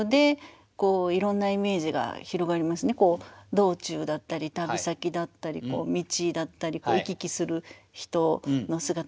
道中だったり旅先だったり道だったり行き来する人の姿だったり。